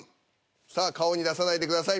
さあ顔に出さないでください。